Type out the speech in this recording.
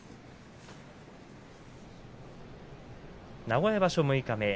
名古屋場所六日目。